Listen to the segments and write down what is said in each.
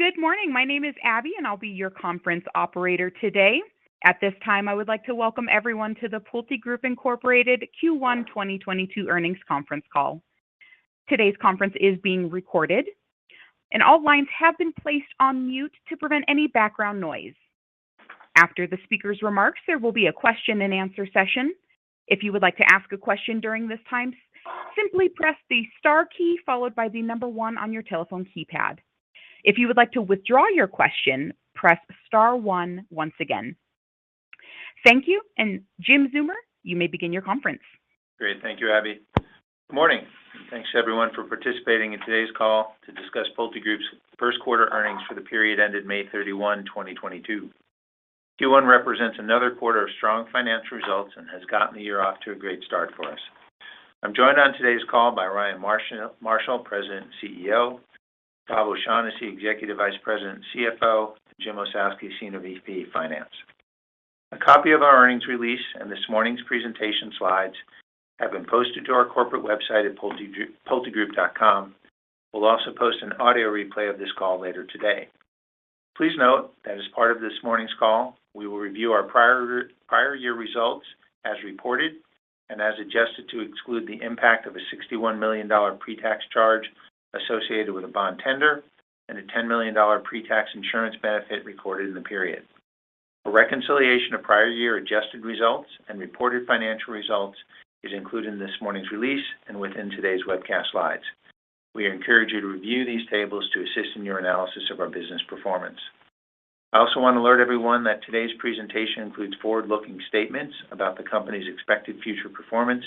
Good morning. My name is Abby, and I'll be your conference operator today. At this time, I would like to welcome everyone to the PulteGroup, Inc. Q1 2022 earnings conference call. Today's conference is being recorded, and all lines have been placed on mute to prevent any background noise. After the speaker's remarks, there will be a question and answer session. If you would like to ask a question during this time, simply press the star key followed by the number one on your telephone keypad. If you would like to withdraw your question, press star one once again. Thank you. Jim Zeumer, you may begin your conference. Great. Thank you, Abby. Good morning. Thanks everyone for participating in today's call to discuss PulteGroup's first quarter earnings for the period ended May 31, 2022. Q1 represents another quarter of strong financial results and has gotten the year off to a great start for us. I'm joined on today's call by Ryan Marshall, President and CEO, Bob O'Shaughnessy, Executive Vice President and CFO, and Jim Ossowski, Senior VP of Finance. A copy of our earnings release and this morning's presentation slides have been posted to our corporate website at pultegroup.com. We'll also post an audio replay of this call later today. Please note that as part of this morning's call, we will review our prior year results as reported and as adjusted to exclude the impact of a $61 million pre-tax charge associated with a bond tender and a $10 million pre-tax insurance benefit recorded in the period. A reconciliation of prior year adjusted results and reported financial results is included in this morning's release and within today's webcast slides. We encourage you to review these tables to assist in your analysis of our business performance. I also want to alert everyone that today's presentation includes forward-looking statements about the company's expected future performance.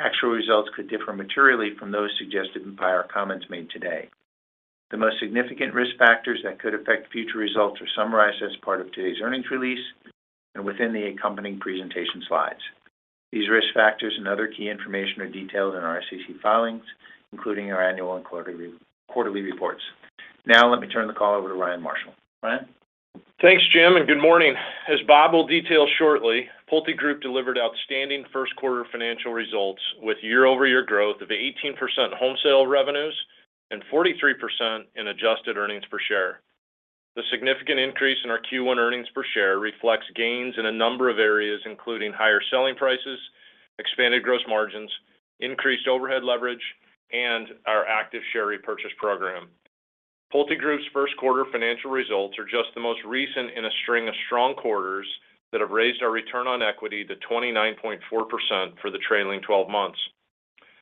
Actual results could differ materially from those suggested by our comments made today. The most significant risk factors that could affect future results are summarized as part of today's earnings release and within the accompanying presentation slides. These risk factors and other key information are detailed in our SEC filings, including our annual and quarterly reports. Now, let me turn the call over to Ryan Marshall. Ryan. Thanks, Jim, and good morning. As Bob will detail shortly, PulteGroup delivered outstanding first quarter financial results with year-over-year growth of 18% home sale revenues and 43% in adjusted earnings per share. The significant increase in our Q1 earnings per share reflects gains in a number of areas, including higher selling prices, expanded gross margins, increased overhead leverage, and our active share repurchase program. PulteGroup's first quarter financial results are just the most recent in a string of strong quarters that have raised our return on equity to 29.4% for the trailing twelve months.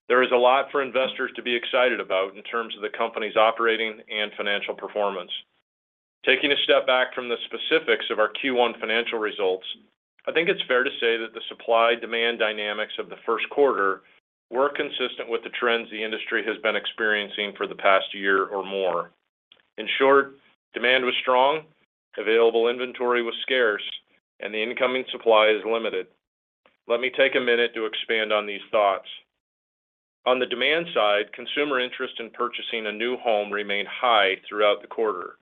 There is a lot for investors to be excited about in terms of the company's operating and financial performance. Taking a step back from the specifics of our Q1 financial results, I think it's fair to say that the supply-demand dynamics of the first quarter were consistent with the trends the industry has been experiencing for the past year or more. In short, demand was strong, available inventory was scarce, and the incoming supply is limited. Let me take a minute to expand on these thoughts. On the demand side, consumer interest in purchasing a new home remained high throughout the quarter.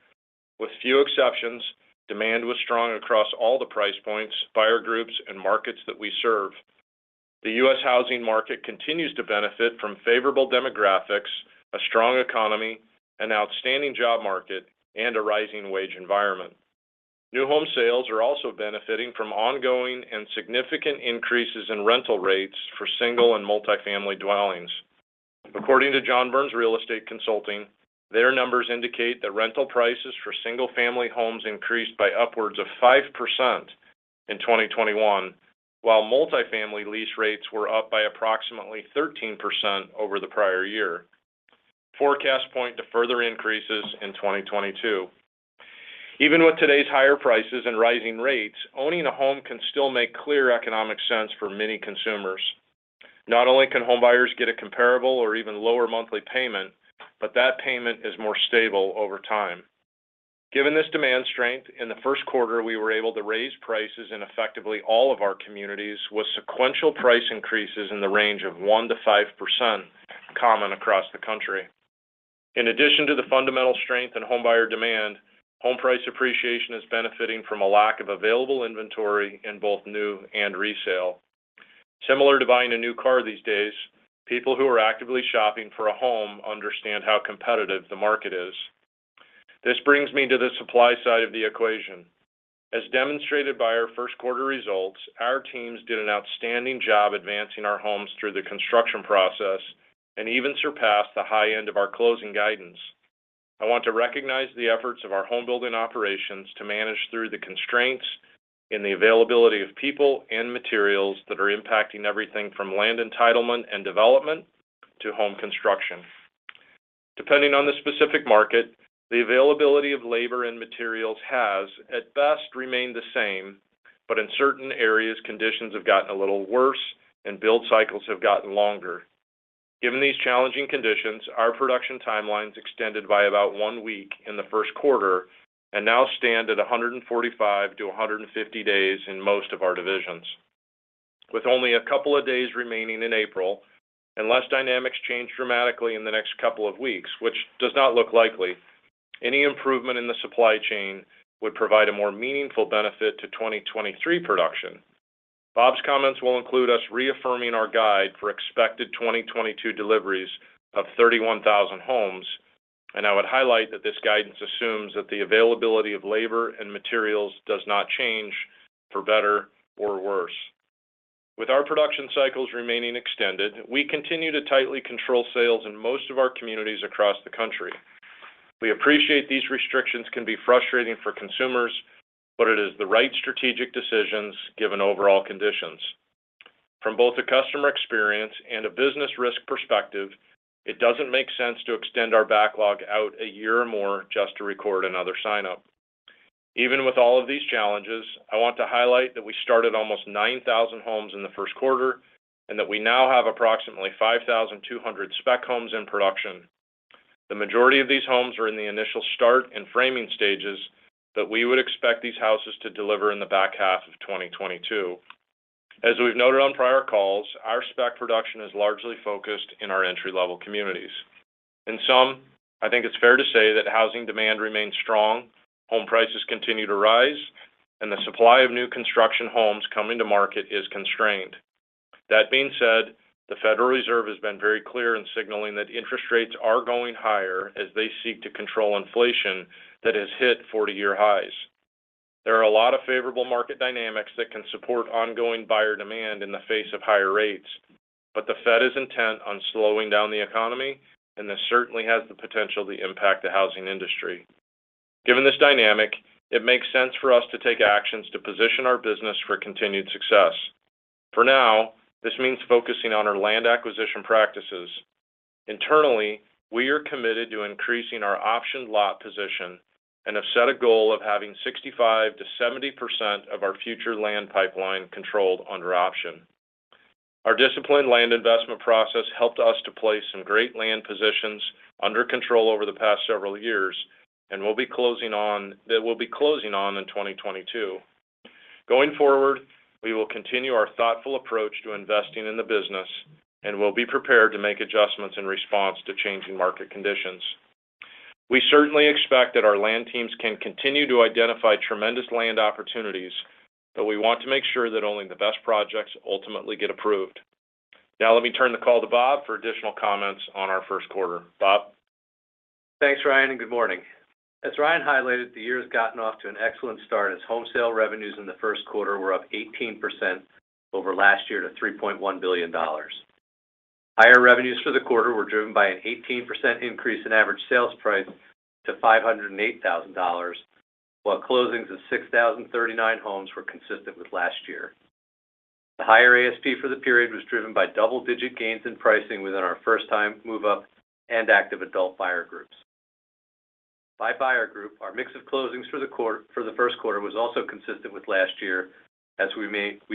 With few exceptions, demand was strong across all the price points, buyer groups, and markets that we serve. The U.S. housing market continues to benefit from favorable demographics, a strong economy, an outstanding job market, and a rising wage environment. New home sales are also benefiting from ongoing and significant increases in rental rates for single and multi-family dwellings. According to John Burns Real Estate Consulting, their numbers indicate that rental prices for single-family homes increased by upwards of 5% in 2021, while multifamily lease rates were up by approximately 13% over the prior year. Forecasts point to further increases in 2022. Even with today's higher prices and rising rates, owning a home can still make clear economic sense for many consumers. Not only can home buyers get a comparable or even lower monthly payment, but that payment is more stable over time. Given this demand strength, in the first quarter, we were able to raise prices in effectively all of our communities with sequential price increases in the range of 1%-5% common across the country. In addition to the fundamental strength in homebuyer demand, home price appreciation is benefiting from a lack of available inventory in both new and resale. Similar to buying a new car these days, people who are actively shopping for a home understand how competitive the market is. This brings me to the supply side of the equation. As demonstrated by our first quarter results, our teams did an outstanding job advancing our homes through the construction process and even surpassed the high end of our closing guidance. I want to recognize the efforts of our home building operations to manage through the constraints in the availability of people and materials that are impacting everything from land entitlement and development to home construction. Depending on the specific market, the availability of labor and materials has, at best, remained the same, but in certain areas, conditions have gotten a little worse and build cycles have gotten longer. Given these challenging conditions, our production timeline is extended by about one week in the first quarter and now stand at 145-150 days in most of our divisions. With only a couple of days remaining in April, unless dynamics change dramatically in the next couple of weeks, which does not look likely, any improvement in the supply chain would provide a more meaningful benefit to 2023 production. Bob's comments will include us reaffirming our guide for expected 2022 deliveries of 31,000 homes. I would highlight that this guidance assumes that the availability of labor and materials does not change for better or worse. With our production cycles remaining extended, we continue to tightly control sales in most of our communities across the country. We appreciate that these restrictions can be frustrating for consumers, but it is the right strategic decisions given overall conditions. From both a customer experience and a business risk perspective, it doesn't make sense to extend our backlog out a year or more just to record another sign-up. Even with all of these challenges, I want to highlight that we started almost 9,000 homes in the first quarter and that we now have approximately 5,200 spec homes in production. The majority of these homes are in the initial start and framing stages that we would expect these houses to deliver in the back half of 2022. As we've noted on prior calls, our spec production is largely focused in our entry-level communities. In sum, I think it's fair to say that housing demand remains strong, home prices continue to rise, and the supply of new construction homes coming to market is constrained. That being said, the Federal Reserve has been very clear in signaling that interest rates are going higher as they seek to control inflation that has hit 40-year highs. There are a lot of favorable market dynamics that can support ongoing buyer demand in the face of higher rates, but the Fed is intent on slowing down the economy, and this certainly has the potential to impact the housing industry. Given this dynamic, it makes sense for us to take actions to position our business for continued success. For now, this means focusing on our land acquisition practices. Internally, we are committed to increasing our optioned lot position and have set a goal of having 65%-70% of our future land pipeline controlled under option. Our disciplined land investment process helped us to place some great land positions under control over the past several years and that we'll be closing on in 2022. Going forward, we will continue our thoughtful approach to investing in the business and will be prepared to make adjustments in response to changing market conditions. We certainly expect that our land teams can continue to identify tremendous land opportunities, but we want to make sure that only the best projects ultimately get approved. Now let me turn the call to Bob for additional comments on our first quarter. Bob? Thanks, Ryan, and good morning. As Ryan highlighted, the year has gotten off to an excellent start as home sale revenues in the first quarter were up 18% over last year to $3.1 billion. Higher revenues for the quarter were driven by an 18% increase in average sales price to $508,000, while closings of 6,039 homes were consistent with last year. The higher ASP for the period was driven by double-digit gains in pricing within our first time, move-up, and active adult buyer groups. By buyer group, our mix of closings for the first quarter was also consistent with last year as we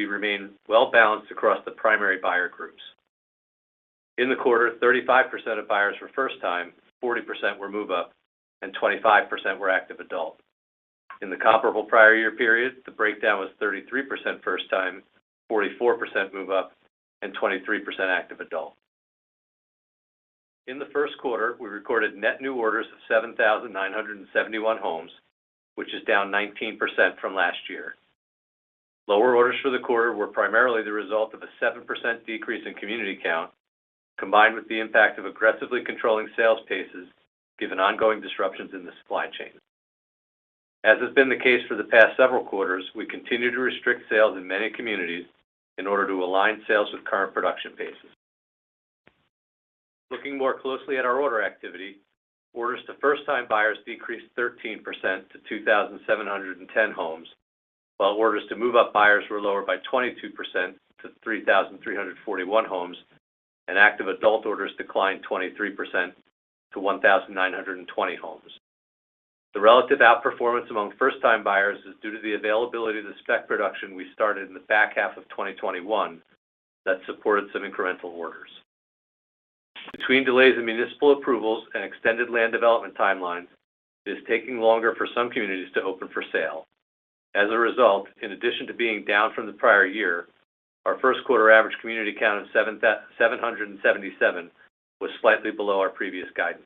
remain well balanced across the primary buyer groups. In the quarter, 35% of buyers were first time, 40% were move-up, and 25% were active adult. In the comparable prior year period, the breakdown was 33% first time, 44% move-up, and 23% active adult. In the first quarter, we recorded net new orders of 7,971 homes, which is down 19% from last year. Lower orders for the quarter were primarily the result of a 7% decrease in community count, combined with the impact of aggressively controlling sales paces given ongoing disruptions in the supply chain. As has been the case for the past several quarters, we continue to restrict sales in many communities in order to align sales with current production paces. Looking more closely at our order activity, orders to first-time buyers decreased 13% to 2,710 homes, while orders to move-up buyers were lower by 22% to 3,341 homes, and active adult orders declined 23% to 1,920 homes. The relative outperformance among first-time buyers is due to the availability of the spec production we started in the back half of 2021 that supported some incremental orders. Between delays in municipal approvals and extended land development timelines, it is taking longer for some communities to open for sale. As a result, in addition to being down from the prior year, our first quarter average community count of 777 was slightly below our previous guidance.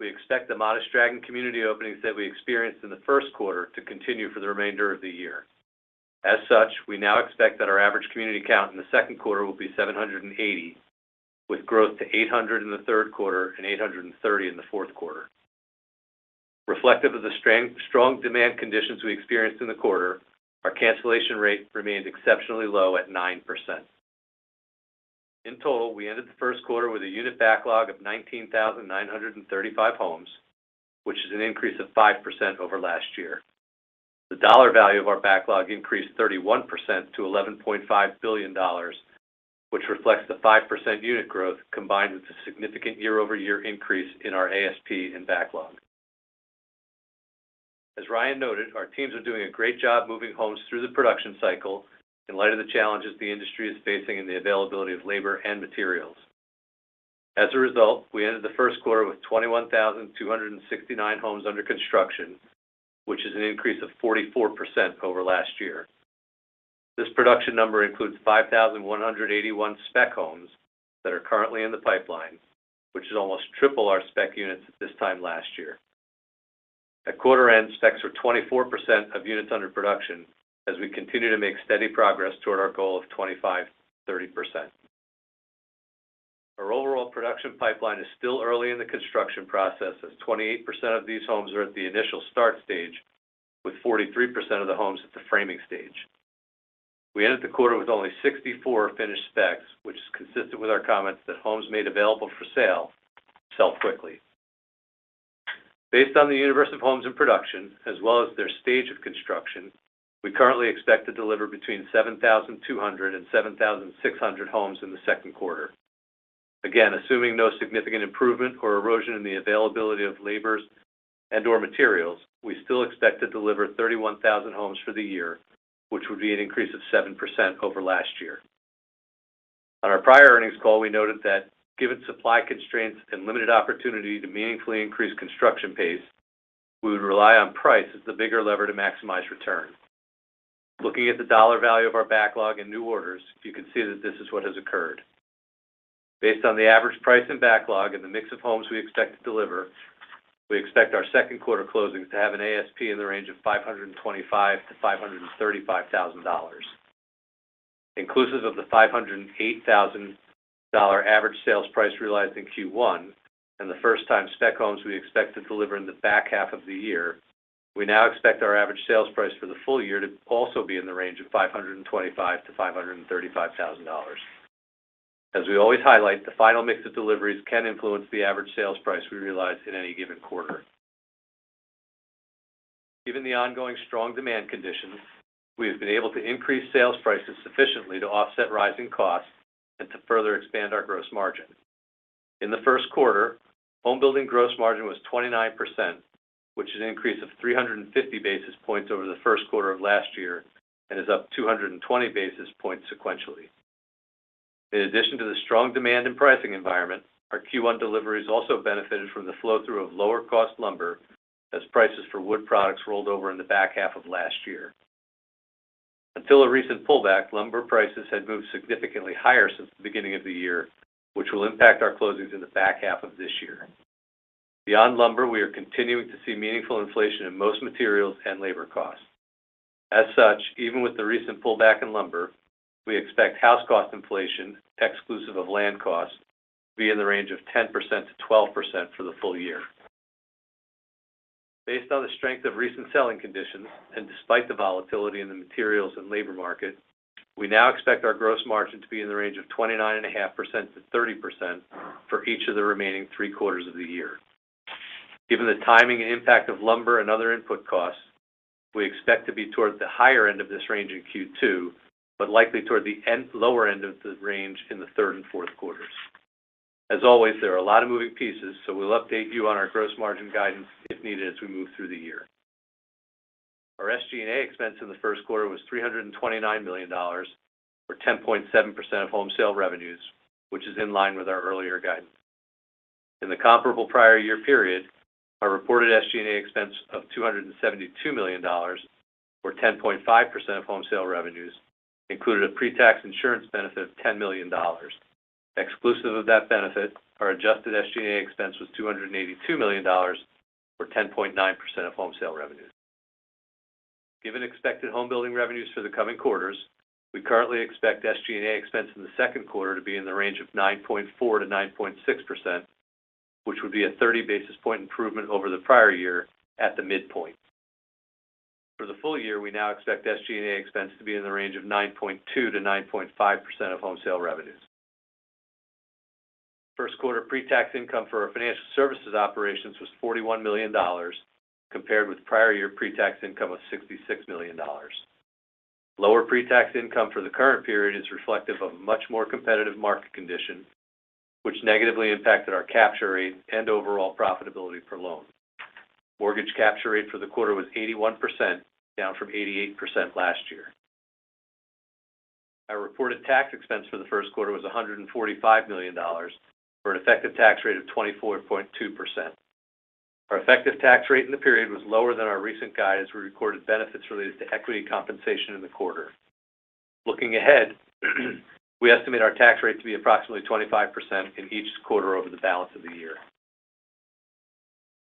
We expect the modest drag in community openings that we experienced in the first quarter to continue for the remainder of the year. As such, we now expect that our average community count in the second quarter will be 780, with growth to 800 in the third quarter and 830 in the fourth quarter. Reflective of the strong demand conditions we experienced in the quarter, our cancellation rate remained exceptionally low at 9%. In total, we ended the first quarter with a unit backlog of 19,935 homes, which is an increase of 5% over last year. The dollar value of our backlog increased 31% to $11.5 billion, which reflects the 5% unit growth combined with the significant year-over-year increase in our ASP and backlog. As Ryan noted, our teams are doing a great job moving homes through the production cycle in light of the challenges the industry is facing and the availability of labor and materials. As a result, we ended the first quarter with 21,269 homes under construction, which is an increase of 44% over last year. This production number includes 5,181 spec homes that are currently in the pipeline, which is almost triple our spec units at this time last year. Quarter-end specs were 24% of units under production as we continue to make steady progress toward our goal of 25%-30%. Our overall production pipeline is still early in the construction process, as 28% of these homes are at the initial start stage, with 43% of the homes at the framing stage. We ended the quarter with only 64 finished specs, which is consistent with our comments that homes made available for sale sell quickly. Based on the universe of homes in production, as well as their stage of construction, we currently expect to deliver between 7,200 and 7,600 homes in the second quarter. Again, assuming no significant improvement or erosion in the availability of laborers and/or materials, we still expect to deliver 31,000 homes for the year, which would be an increase of 7% over last year. On our prior earnings call, we noted that given supply constraints and limited opportunity to meaningfully increase construction pace, we would rely on price as the bigger lever to maximize return. Looking at the dollar value of our backlog and new orders, you can see that this is what has occurred. Based on the average price and backlog and the mix of homes we expect to deliver, we expect our second quarter closings to have an ASP in the range of $525,000-$535,000. Inclusive of the $508,000 average sales price realized in Q1 and the first-time spec homes we expect to deliver in the back half of the year, we now expect our average sales price for the full year to also be in the range of $525,000-$535,000. As we always highlight, the final mix of deliveries can influence the average sales price we realize in any given quarter. Given the ongoing strong demand conditions, we have been able to increase sales prices sufficiently to offset rising costs and to further expand our gross margin. In the first quarter, home building gross margin was 29%, which is an increase of 350 basis points over the first quarter of last year and is up 220 basis points sequentially. In addition to the strong demand and pricing environment, our Q1 deliveries also benefited from the flow-through of lower cost lumber as prices for wood products rolled over in the back half of last year. Until a recent pullback, lumber prices had moved significantly higher since the beginning of the year, which will impact our closings in the back half of this year. Beyond lumber, we are continuing to see meaningful inflation in most materials and labor costs. As such, even with the recent pullback in lumber, we expect house cost inflation, exclusive of land costs, to be in the range of 10%-12% for the full year. Based on the strength of recent selling conditions and despite the volatility in the materials and labor market, we now expect our gross margin to be in the range of 29.5%-30% for each of the remaining three quarters of the year. Given the timing and impact of lumber and other input costs, we expect to be towards the higher end of this range in Q2, but likely toward the lower end of the range in the third and fourth quarters. As always, there are a lot of moving pieces, so we'll update you on our gross margin guidance if needed as we move through the year. Our SG&A expense in the first quarter was $329 million, or 10.7% of home sale revenues, which is in line with our earlier guidance. In the comparable prior year period, our reported SG&A expense of $272 million, or 10.5% of home sale revenues, included a pre-tax insurance benefit of $10 million. Exclusive of that benefit, our adjusted SG&A expense was $282 million, or 10.9% of home sale revenues. Given expected home building revenues for the coming quarters, we currently expect SG&A expense in the second quarter to be in the range of 9.4%-9.6%, which would be a 30 basis point improvement over the prior year at the midpoint. For the full year, we now expect SG&A expense to be in the range of 9.2%-9.5% of home sale revenues. First quarter pre-tax income for our financial services operations was $41 million, compared with prior year pre-tax income of $66 million. Lower pre-tax income for the current period is reflective of a much more competitive market condition, which negatively impacted our capture rate and overall profitability per loan. Mortgage capture rate for the quarter was 81%, down from 88% last year. Our reported tax expense for the first quarter was $145 million, for an effective tax rate of 24.2%. Our effective tax rate in the period was lower than our recent guide as we recorded benefits related to equity compensation in the quarter. Looking ahead, we estimate our tax rate to be approximately 25% in each quarter over the balance of the year.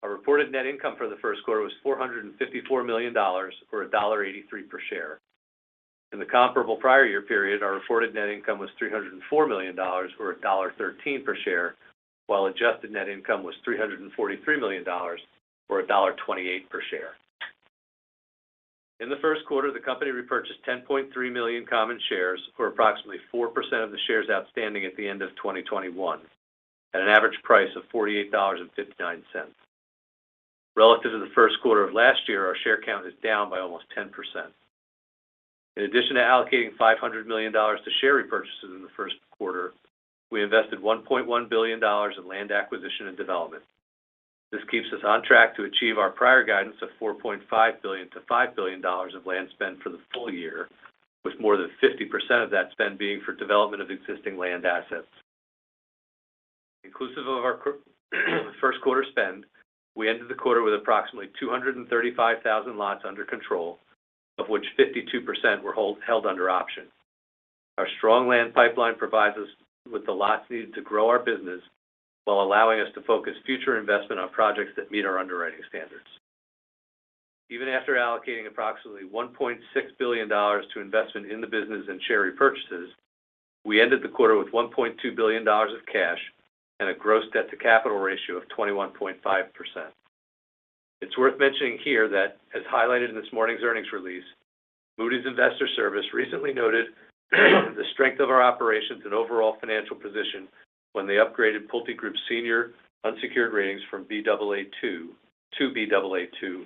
Our reported net income for the first quarter was $454 million, or $1.83 per share. In the comparable prior year period, our reported net income was $304 million, or $1.13 per share, while adjusted net income was $343 million, or $1.28 per share. In the first quarter, the company repurchased 10.3 million common shares, or approximately 4% of the shares outstanding at the end of 2021 at an average price of $48.59. Relative to the first quarter of last year, our share count is down by almost 10%. In addition to allocating $500 million to share repurchases in the first quarter, we invested $1.1 billion in land acquisition and development. This keeps us on track to achieve our prior guidance of $4.5 billion-$5 billion of land spend for the full year, with more than 50% of that spend being for development of existing land assets. Inclusive of our first quarter spend, we ended the quarter with approximately 235,000 lots under control, of which 52% were held under option. Our strong land pipeline provides us with the lots needed to grow our business while allowing us to focus future investment on projects that meet our underwriting standards. Even after allocating approximately $1.6 billion to investment in the business and share repurchases, we ended the quarter with $1.2 billion of cash and a gross debt to capital ratio of 21.5%. It's worth mentioning here that as highlighted in this morning's earnings release, Moody's Investors Service recently noted the strength of our operations and overall financial position when they upgraded PulteGroup's senior unsecured ratings from Baa3 to Baa2.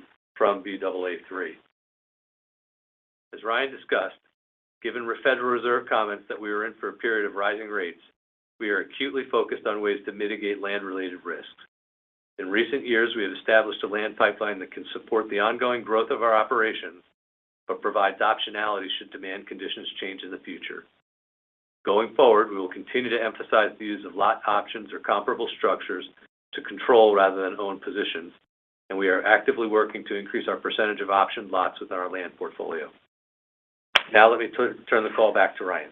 As Ryan discussed, given the Federal Reserve comments that we were in for a period of rising rates, we are acutely focused on ways to mitigate land-related risks. In recent years, we have established a land pipeline that can support the ongoing growth of our operations but provides optionality should demand conditions change in the future. Going forward, we will continue to emphasize the use of lot options or comparable structures to control rather than own positions, and we are actively working to increase our percentage of option lots with our land portfolio. Now let me turn the call back to Ryan.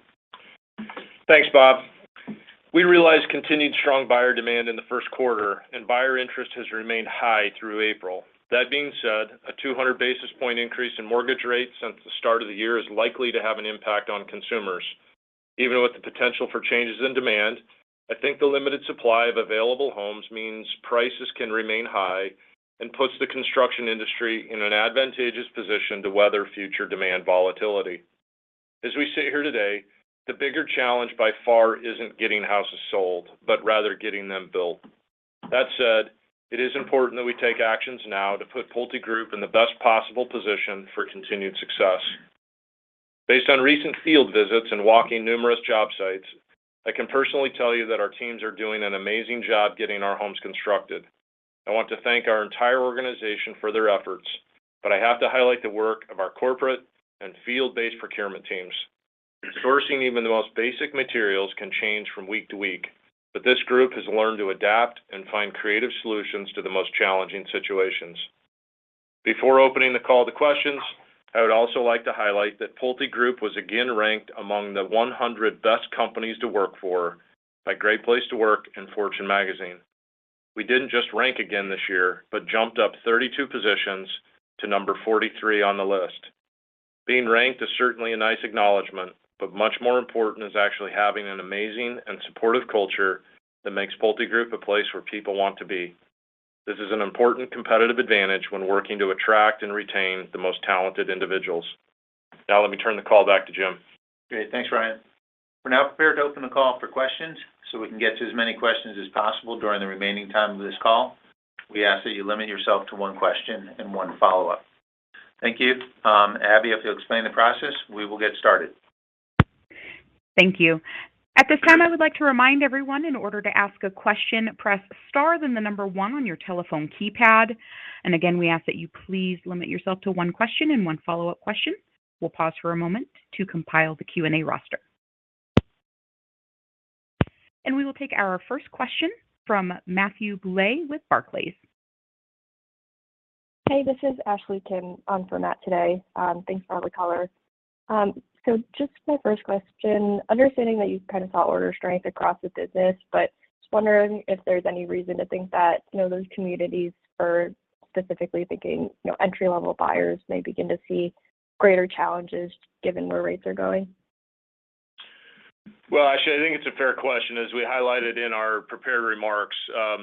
Thanks, Bob. We realized continued strong buyer demand in the first quarter, and buyer interest has remained high through April. That being said, a 200 basis point increase in mortgage rates since the start of the year is likely to have an impact on consumers. Even with the potential for changes in demand, I think the limited supply of available homes means prices can remain high and puts the construction industry in an advantageous position to weather future demand volatility. As we sit here today, the bigger challenge by far isn't getting houses sold, but rather getting them built. That said, it is important that we take actions now to put PulteGroup in the best possible position for continued success. Based on recent field visits and walking numerous job sites, I can personally tell you that our teams are doing an amazing job getting our homes constructed. I want to thank our entire organization for their efforts, but I have to highlight the work of our corporate and field-based procurement teams. Sourcing even the most basic materials can change from week to week, but this group has learned to adapt and find creative solutions to the most challenging situations. Before opening the call to questions, I would also like to highlight that PulteGroup was again ranked among the 100 best companies to work for by Great Place to Work and Fortune Magazine. We didn't just rank again this year, but jumped up 32 positions to number 43 on the list. Being ranked is certainly a nice acknowledgment, but much more important is actually having an amazing and supportive culture that makes PulteGroup a place where people want to be. This is an important competitive advantage when working to attract and retain the most talented individuals. Now let me turn the call back to Jim. Great. Thanks, Ryan. We're now prepared to open the call for questions. So we can get to as many questions as possible during the remaining time of this call, we ask that you limit yourself to one question and one follow-up. Thank you. Abby, if you'll explain the process, we will get started. Thank you. At this time, I would like to remind everyone in order to ask a question, press star, then the number one on your telephone keypad. Again, we ask that you please limit yourself to one question and one follow-up question. We'll pause for a moment to compile the Q&A roster. We will take our first question from Matthew Bouley with Barclays. Hey, this is Ashley Kim on for Matt today. Thanks for all the color. Just my first question, understanding that you kind of saw order strength across the business, but just wondering if there's any reason to think that, you know, those communities are specifically thinking, you know, entry-level buyers may begin to see greater challenges given where rates are going. Well, Ashley, I think it's a fair question. As we highlighted in our prepared remarks,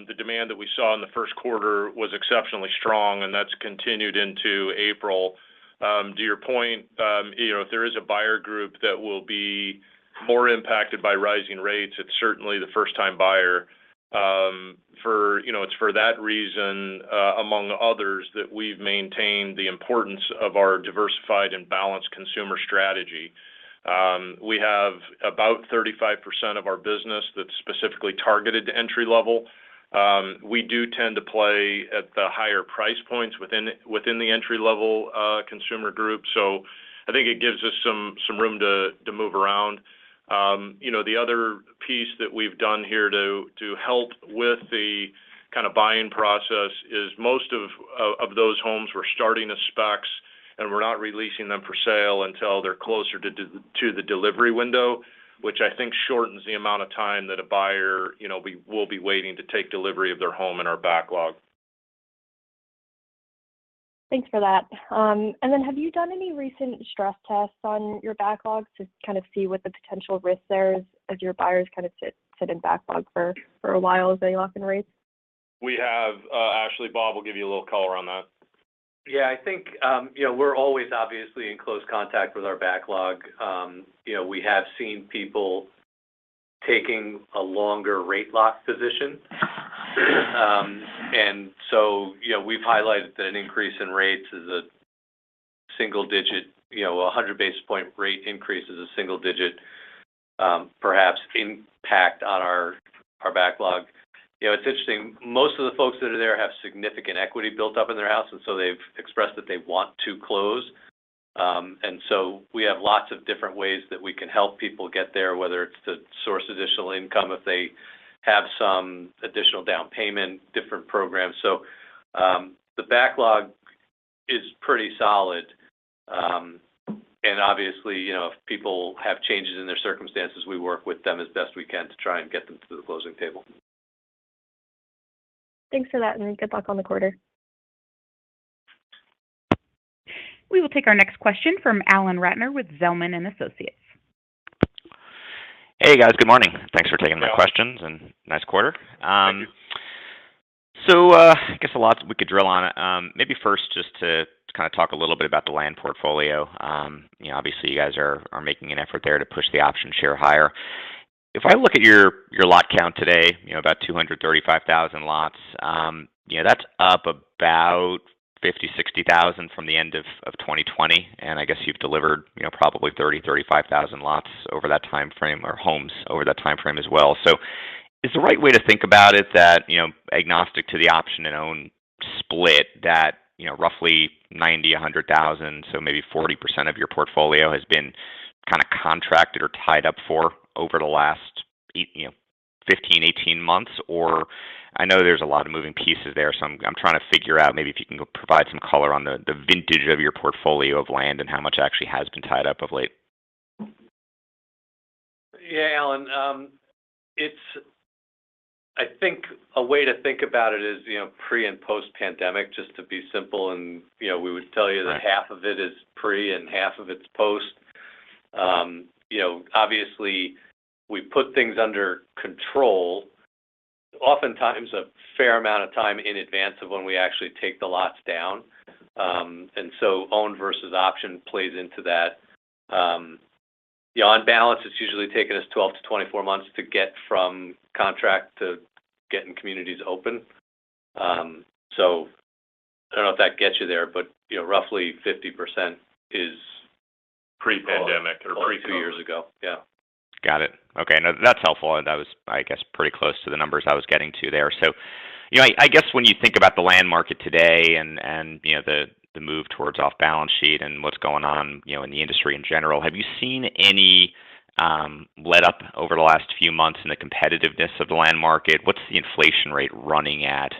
the demand that we saw in the first quarter was exceptionally strong, and that's continued into April. To your point, you know, if there is a buyer group that will be more impacted by rising rates, it's certainly the first-time buyer. You know, it's for that reason, among others, that we've maintained the importance of our diversified and balanced consumer strategy. We have about 35% of our business that's specifically targeted to entry-level. We do tend to play at the higher price points within the entry-level consumer group. I think it gives us some room to move around. You know, the other piece that we've done here to help with the kind of buying process is most of those homes we're starting as specs, and we're not releasing them for sale until they're closer to the delivery window, which I think shortens the amount of time that a buyer, you know, will be waiting to take delivery of their home in our backlog. Thanks for that. Have you done any recent stress tests on your backlog to kind of see what the potential risk there is as your buyers kind of sit in backlog for a while as they lock in rates? We have. Ashley, Bob will give you a little color on that. Yeah. I think, you know, we're always obviously in close contact with our backlog. You know, we have seen people taking a longer rate lock position. You know, we've highlighted that an increase in rates is a single digit. You know, a 100 basis point rate increase is a single digit, perhaps impact on our backlog. You know, it's interesting. Most of the folks that are there have significant equity built up in their house, and so they've expressed that they want to close. We have lots of different ways that we can help people get there, whether it's to source additional income if they have some additional down payment, different programs. The backlog is pretty solid. Obviously, you know, if people have changes in their circumstances, we work with them as best we can to try and get them to the closing table. Thanks for that, and good luck on the quarter. We will take our next question from Alan Ratner with Zelman & Associates. Hey, guys. Good morning. Thanks for taking my questions. Good morning. Nice quarter. Thank you. I guess a lot we could drill on. Maybe first just to kind of talk a little bit about the land portfolio. You know, obviously you guys are making an effort there to push the option share higher. If I look at your lot count today, you know, about 235,000 lots, you know, that's up about 50-60 thousand from the end of 2020, and I guess you've delivered, you know, probably 30-35 thousand lots over that timeframe or homes over that timeframe as well. Is the right way to think about it that, you know, agnostic to the optioned and owned split that, you know, roughly 90-100,000, so maybe 40% of your portfolio has been kind of contracted or tied up for over the last 15-18 months? Or I know there's a lot of moving pieces there, so I'm trying to figure out maybe if you can provide some color on the vintage of your portfolio of land and how much actually has been tied up of late. Yeah. Alan. I think a way to think about it is, you know, pre- and post-pandemic, just to be simple. You know, we would tell you- Right that half of it is pre and half of it's post. You know, obviously we put things under control, oftentimes a fair amount of time in advance of when we actually take the lots down. Own versus option plays into that. You know, on balance, it's usually taken us 12-24 months to get from contract to getting communities open. I don't know if that gets you there, but, you know, roughly 50% is. Pre-pandemic or pre-COVID. Two years ago. Yeah. Got it. Okay. No, that's helpful, and that was, I guess, pretty close to the numbers I was getting to there. You know, I guess when you think about the land market today and you know, the move towards off-balance sheet and what's going on, you know, in the industry in general, have you seen any letup over the last few months in the competitiveness of the land market? What's the inflation rate running at,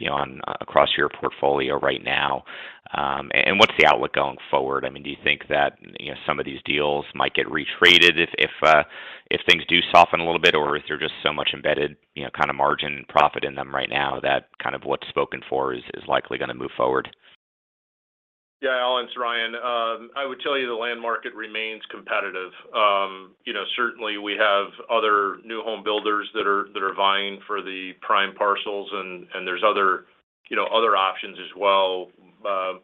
you know, across your portfolio right now? What's the outlook going forward? I mean, do you think that, you know, some of these deals might get re-traded if things do soften a little bit, or is there just so much embedded, you know, kind of margin profit in them right now that kind of what's spoken for is likely gonna move forward? Yeah, Alan, it's Ryan. I would tell you the land market remains competitive. You know, certainly we have other new home builders that are vying for the prime parcels and there's other, you know, other options as well.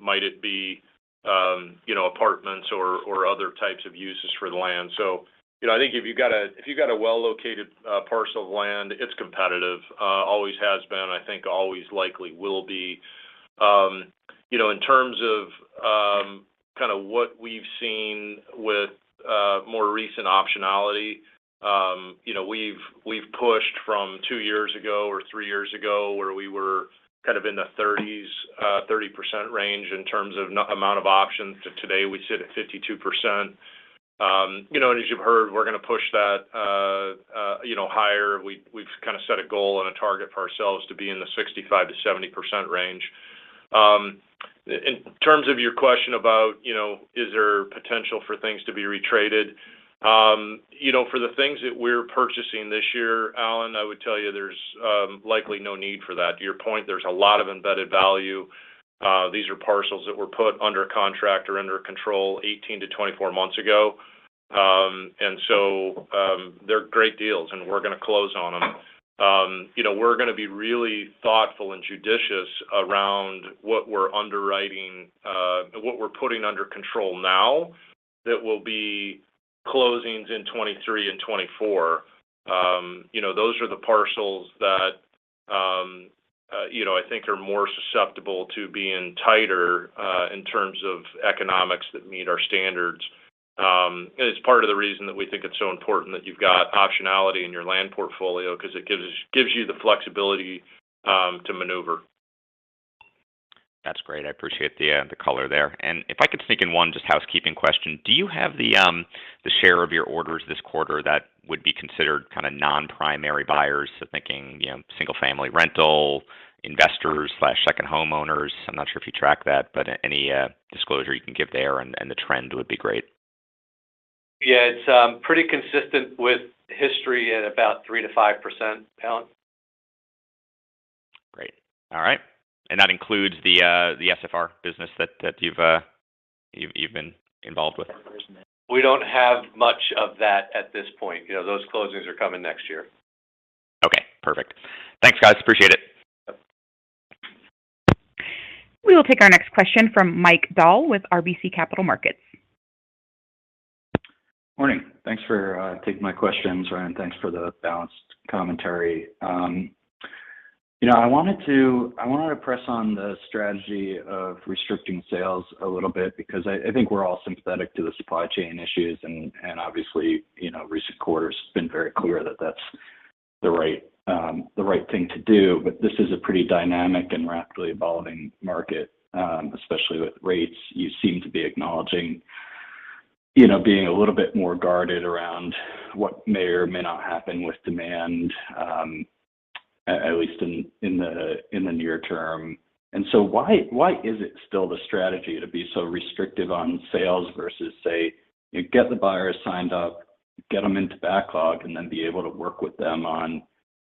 Might it be, you know, apartments or other types of uses for the land. You know, I think if you've got a well-located parcel of land, it's competitive. Always has been, I think always likely will be. You know, in terms of kinda what we've seen with more recent optionality, you know, we've pushed from 2 years ago or 3 years ago where we were kind of in the 30s, 30% range in terms of net amount of options. To today, we sit at 52%. You know, as you've heard, we're gonna push that, you know, higher. We've kind of set a goal and a target for ourselves to be in the 65%-70% range. In terms of your question about, you know, is there potential for things to be re-traded, you know, for the things that we're purchasing this year, Alan, I would tell you there's likely no need for that. To your point, there's a lot of embedded value. These are parcels that were put under contract or under control 18-24 months ago. They're great deals, and we're gonna close on them. We're gonna be really thoughtful and judicious around what we're underwriting, what we're putting under control now that will be closings in 2023 and 2024. You know, those are the parcels that, you know, I think are more susceptible to being tighter in terms of economics that meet our standards. It's part of the reason that we think it's so important that you've got optionality in your land portfolio because it gives you the flexibility to maneuver. That's great. I appreciate the color there. If I could sneak in one just housekeeping question. Do you have the share of your orders this quarter that would be considered kinda non-primary buyers, so thinking, you know, single-family rental, investors/second homeowners? I'm not sure if you track that, but any disclosure you can give there and the trend would be great. Yeah. It's pretty consistent with history at about 3%-5%, Alan. Great. All right. That includes the SFR business that you've been involved with? We don't have much of that at this point. You know, those closings are coming next year. Okay, perfect. Thanks, guys. Appreciate it. Yep. We will take our next question from Mike Dahl with RBC Capital Markets. Morning. Thanks for taking my questions, Ryan, and thanks for the balanced commentary. You know, I wanted to press on the strategy of restricting sales a little bit because I think we're all sympathetic to the supply chain issues and obviously, you know, recent quarters have been very clear that that's the right thing to do. This is a pretty dynamic and rapidly evolving market, especially with rates. You seem to be acknowledging, you know, being a little bit more guarded around what may or may not happen with demand, at least in the near term. Why is it still the strategy to be so restrictive on sales versus, say, you know, get the buyers signed up, get them into backlog, and then be able to work with them on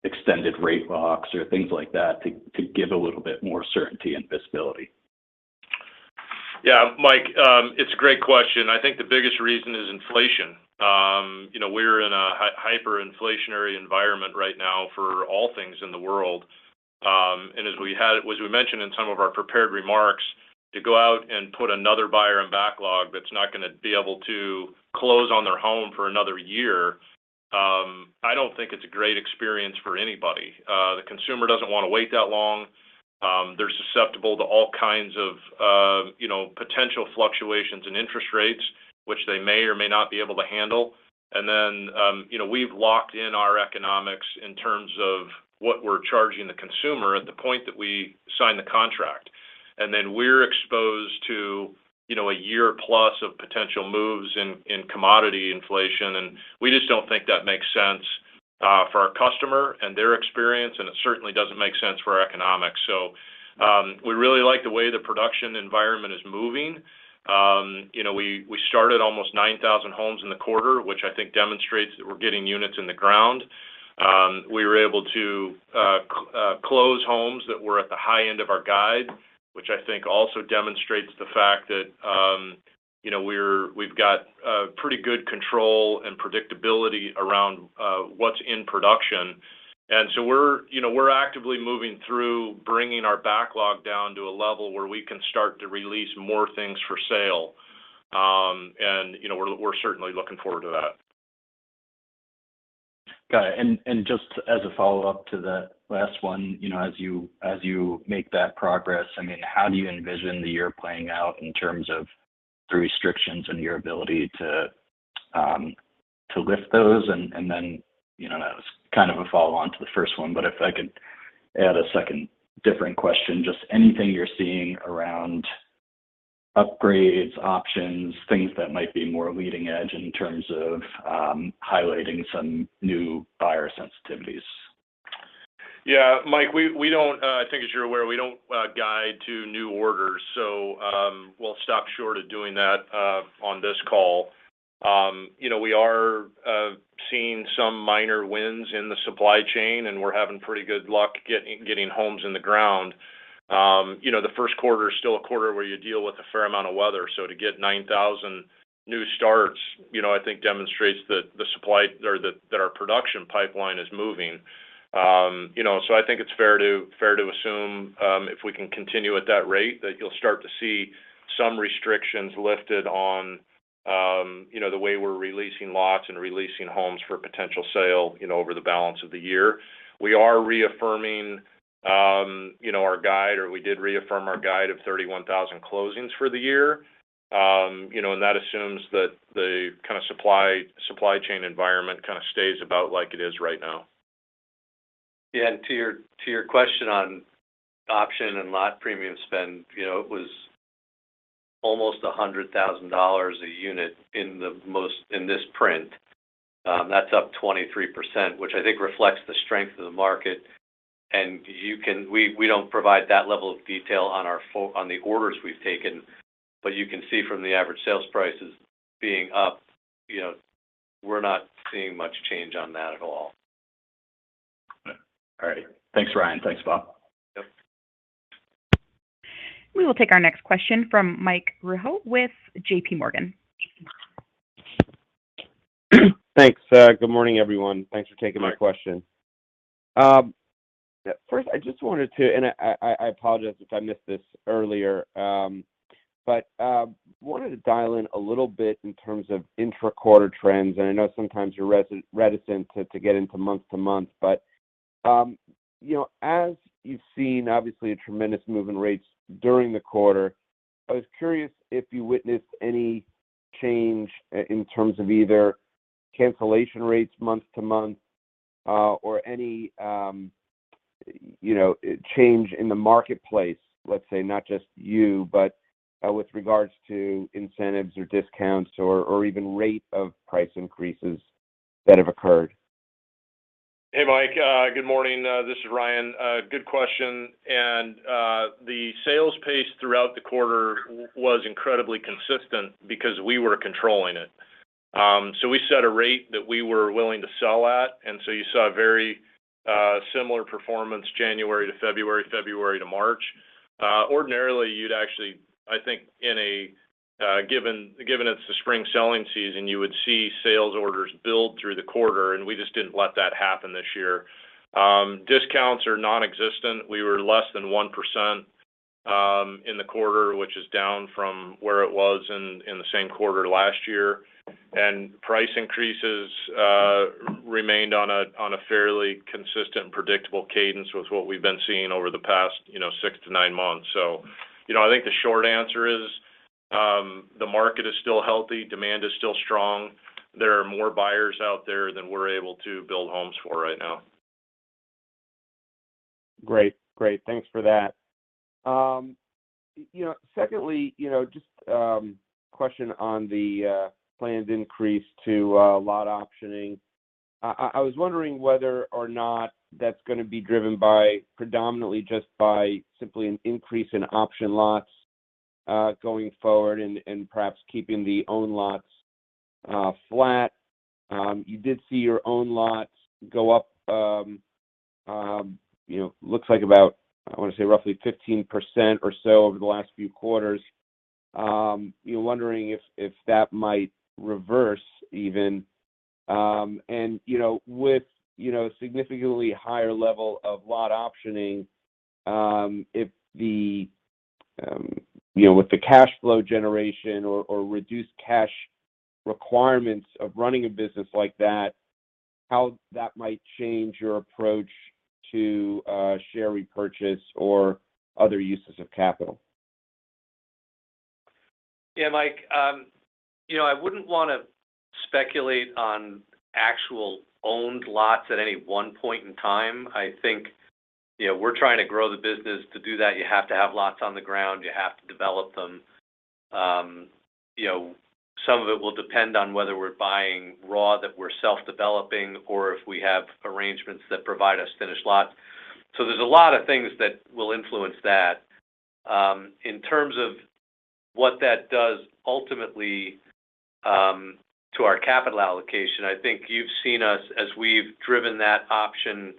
extended rate locks or things like that to give a little bit more certainty and visibility? Yeah. Mike, it's a great question. I think the biggest reason is inflation. You know, we're in a hyperinflationary environment right now for all things in the world. As we mentioned in some of our prepared remarks, to go out and put another buyer in backlog that's not gonna be able to close on their home for another year, I don't think it's a great experience for anybody. The consumer doesn't wanna wait that long. They're susceptible to all kinds of, you know, potential fluctuations in interest rates, which they may or may not be able to handle. You know, we've locked in our economics in terms of what we're charging the consumer at the point that we sign the contract. Then we're exposed to, you know, a year plus of potential moves in commodity inflation, and we just don't think that makes sense for our customer and their experience, and it certainly doesn't make sense for our economics. We really like the way the production environment is moving. We started almost 9,000 homes in the quarter, which I think demonstrates that we're getting units in the ground. We were able to close homes that were at the high end of our guide, which I think also demonstrates the fact that we've got a pretty good control and predictability around what's in production. We're actively moving through bringing our backlog down to a level where we can start to release more things for sale. You know, we're certainly looking forward to that. Got it. Just as a follow-up to the last one, you know, as you make that progress, I mean, how do you envision the year playing out in terms of the restrictions and your ability to lift those? You know, that was kind of a follow-on to the first one. If I could add a second different question, just anything you're seeing around upgrades, options, things that might be more leading edge in terms of highlighting some new buyer sensitivities. Yeah. Mike, we don't, I think as you're aware, we don't guide to new orders, so we'll stop short of doing that on this call. You know, we are seeing some minor wins in the supply chain, and we're having pretty good luck getting homes in the ground. You know, the first quarter is still a quarter where you deal with a fair amount of weather. To get 9,000 new starts, I think demonstrates that our production pipeline is moving. You know, I think it's fair to assume, if we can continue at that rate, that you'll start to see some restrictions lifted on the way we're releasing lots and releasing homes for potential sale, you know, over the balance of the year. We did reaffirm our guide of 31,000 closings for the year. That assumes that the supply chain environment stays about like it is right now. Yeah. To your question on option and lot premium spend, you know, it was almost $100,000 a unit in this print. That's up 23%, which I think reflects the strength of the market. You can see from the average sales prices being up, you know, we're not seeing much change on that at all. We don't provide that level of detail on the orders we've taken. All right. Thanks, Ryan. Thanks, Bob. Yep. We will take our next question from Michael Rehaut with JPMorgan. Thanks. Good morning, everyone. Thanks for taking my question. First, I apologize if I missed this earlier. I wanted to dial in a little bit in terms of intra-quarter trends. I know sometimes you're reticent to get into month to month. You know, as you've seen, obviously a tremendous move in rates during the quarter. I was curious if you witnessed any change in terms of either cancellation rates month to month, or any change in the marketplace, let's say not just you, but with regards to incentives or discounts or even rate of price increases that have occurred. Hey, Mike. Good morning. This is Ryan. Good question. The sales pace throughout the quarter was incredibly consistent because we were controlling it. We set a rate that we were willing to sell at, and so you saw a very similar performance January to February to March. Ordinarily, you'd actually, I think in a given it's the spring selling season, you would see sales orders build through the quarter, and we just didn't let that happen this year. Discounts are nonexistent. We were less than 1% in the quarter, which is down from where it was in the same quarter last year. Price increases remained on a fairly consistent, predictable cadence with what we've been seeing over the past, you know, six to nine months. You know, I think the short answer is, the market is still healthy, demand is still strong. There are more buyers out there than we're able to build homes for right now. Great. Great. Thanks for that. You know, secondly, you know, just question on the planned increase to lot optioning. I was wondering whether or not that's gonna be driven by predominantly just by simply an increase in option lots going forward and perhaps keeping the own lots flat. You did see your own lots go up, you know, looks like about, I wanna say, roughly 15% or so over the last few quarters. You know, wondering if that might reverse even. You know, with significantly higher level of lot optioning, if the, you know, with the cash flow generation or reduced cash requirements of running a business like that, how that might change your approach to share repurchase or other uses of capital. Yeah, Mike, you know, I wouldn't wanna speculate on actual owned lots at any one point in time. I think, you know, we're trying to grow the business. To do that, you have to have lots on the ground. You have to develop them. You know, some of it will depend on whether we're buying raw that we're self-developing or if we have arrangements that provide us finished lots. There's a lot of things that will influence that. In terms of what that does ultimately to our capital allocation, I think you've seen us as we've driven that option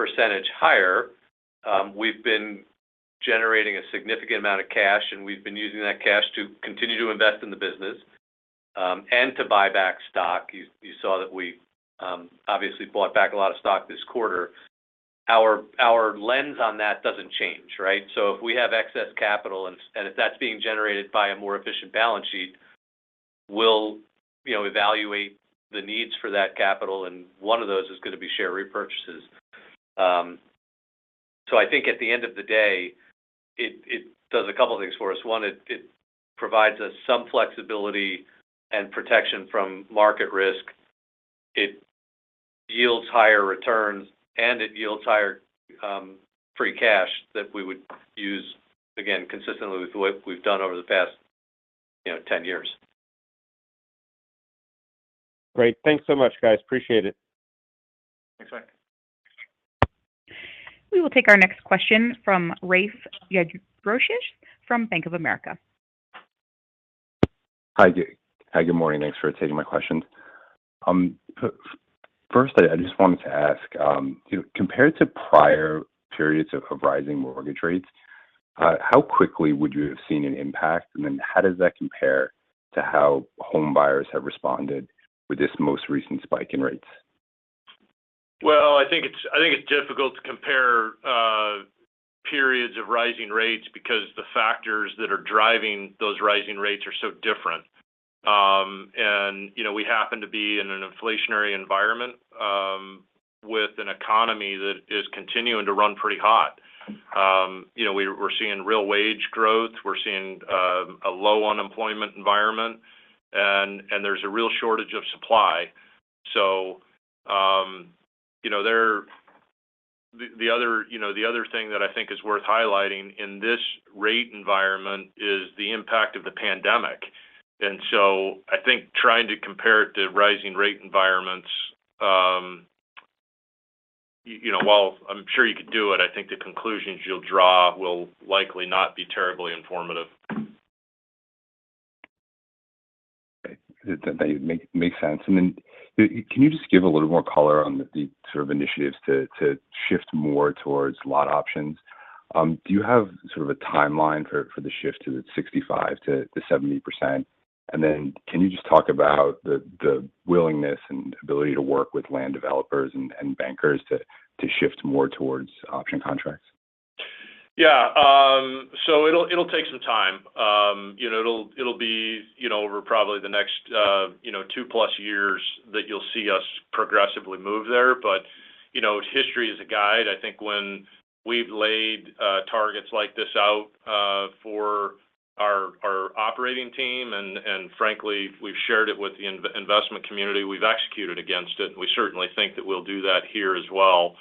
percentage higher, we've been generating a significant amount of cash, and we've been using that cash to continue to invest in the business and to buy back stock. You saw that we obviously bought back a lot of stock this quarter. Our lens on that doesn't change, right? If we have excess capital and if that's being generated by a more efficient balance sheet, we'll evaluate the needs for that capital, and one of those is gonna be share repurchases. I think at the end of the day, it does a couple of things for us. One, it provides us some flexibility and protection from market risk. It yields higher returns, and it yields higher free cash that we would use, again, consistently with the way we've done over the past 10 years. Great. Thanks so much, guys. Appreciate it. Thanks, Mike. We will take our next question from Rafe Jadrosich from Bank of America. Hi, good morning. Thanks for taking my questions. First, I just wanted to ask, you know, compared to prior periods of rising mortgage rates, how quickly would you have seen an impact? How does that compare to how homebuyers have responded with this most recent spike in rates? Well, I think it's difficult to compare periods of rising rates because the factors that are driving those rising rates are so different. You know, we happen to be in an inflationary environment with an economy that is continuing to run pretty hot. You know, we're seeing real wage growth. We're seeing a low unemployment environment and there's a real shortage of supply. You know, the other thing that I think is worth highlighting in this rate environment is the impact of the pandemic. I think trying to compare it to rising rate environments, you know, while I'm sure you could do it, I think the conclusions you'll draw will likely not be terribly informative. That makes sense. Can you just give a little more color on the sort of initiatives to shift more towards lot options? Do you have sort of a timeline for the shift to 65%-70%? Can you just talk about the willingness and ability to work with land developers and bankers to shift more towards option contracts? Yeah. So it'll take some time. You know, it'll be, you know, over probably the next, you know, two-plus years that you'll see us progressively move there. You know, history is a guide. I think when we've laid targets like this out, for our operating team and frankly, we've shared it with the investment community, we've executed against it. We certainly think that we'll do that here as well,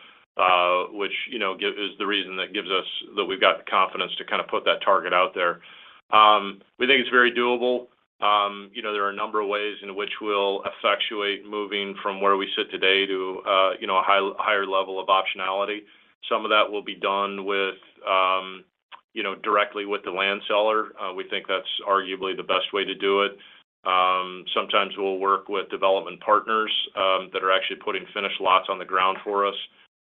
which, you know, is the reason that gives us that we've got the confidence to kind of put that target out there. We think it's very doable. You know, there are a number of ways in which we'll effectuate moving from where we sit today to, you know, a higher level of optionality. Some of that will be done with, you know, directly with the land seller. We think that's arguably the best way to do it. Sometimes we'll work with development partners that are actually putting finished lots on the ground for us.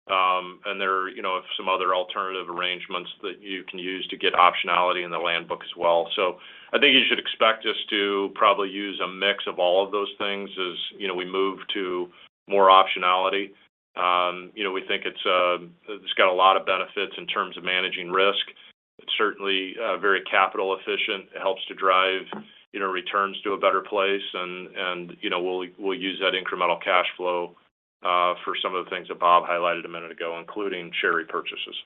There are, you know, some other alternative arrangements that you can use to get optionality in the land book as well. I think you should expect us to probably use a mix of all of those things as, you know, we move to more optionality. You know, we think it's got a lot of benefits in terms of managing risk. It's certainly very capital efficient. It helps to drive, you know, returns to a better place, and you know, we'll use that incremental cash flow for some of the things that Bob highlighted a minute ago, including share repurchases.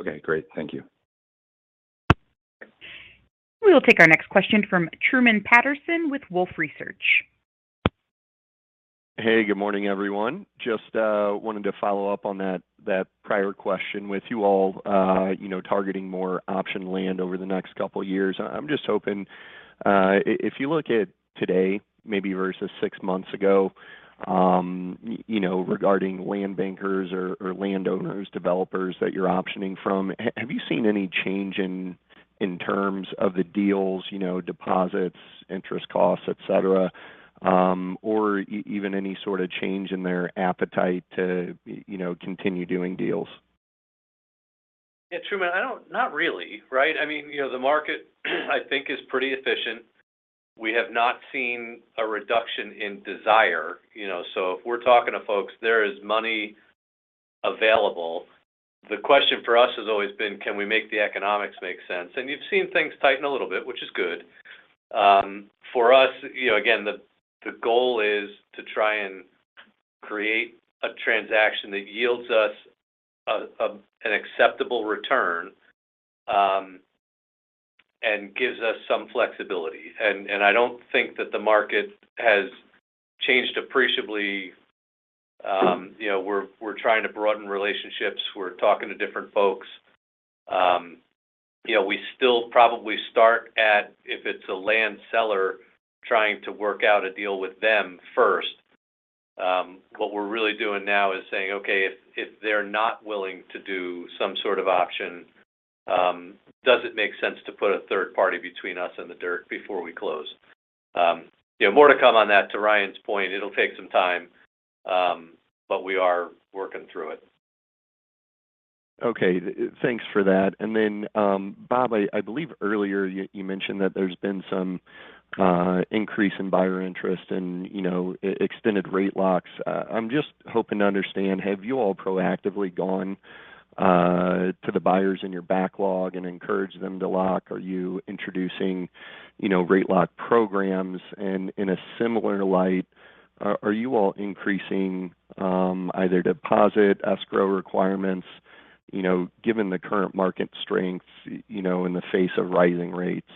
Okay, great. Thank you. We'll take our next question from Truman Patterson with Wolfe Research. Hey, good morning, everyone. Just wanted to follow up on that prior question with you all, you know, targeting more option land over the next couple years. I'm just hoping, if you look at today maybe versus six months ago, you know, regarding land bankers or landowners, developers that you're optioning from, have you seen any change in terms of the deals, you know, deposits, interest costs, et cetera, or even any sort of change in their appetite to, you know, continue doing deals? Yeah, Truman, not really, right? I mean, you know, the market I think is pretty efficient. We have not seen a reduction in desire, you know. If we're talking to folks, there is money available. The question for us has always been, can we make the economics make sense? You've seen things tighten a little bit, which is good. For us, you know, again, the goal is to try and create a transaction that yields us an acceptable return, and gives us some flexibility. I don't think that the market has changed appreciably. You know, we're trying to broaden relationships. We're talking to different folks. You know, we still probably start at, if it's a land seller, trying to work out a deal with them first. What we're really doing now is saying, "Okay, if they're not willing to do some sort of option, does it make sense to put a third party between us and the dirt before we close?" You know, more to come on that. To Ryan's point, it'll take some time, but we are working through it. Thanks for that. Bob, I believe earlier you mentioned that there's been some increase in buyer interest and, you know, extended rate locks. I'm just hoping to understand, have you all proactively gone to the buyers in your backlog and encouraged them to lock? Are you introducing, you know, rate lock programs? In a similar light, are you all increasing either deposit, escrow requirements, you know, given the current market strengths, you know, in the face of rising rates?